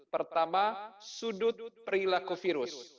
pertama sudut perilaku virus